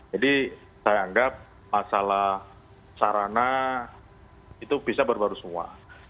jadi saya anggap masalah sarana itu bisa baru baru semua